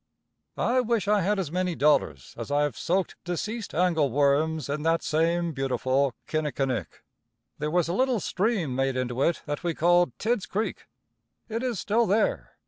I wish I had as many dollars as I have soaked deceased angle worms in that same beautiful Kinnickinnick. There was a little stream made into it that we called Tidd's creek. It is still there.